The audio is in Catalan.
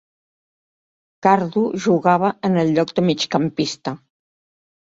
Cardo jugava en el lloc de migcampista.